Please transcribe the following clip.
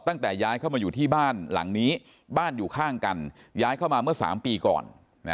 ตั้งแต่ย้ายเข้ามาอยู่ที่บ้านหลังนี้บ้านอยู่ข้างกันย้ายเข้ามาเมื่อ๓ปีก่อน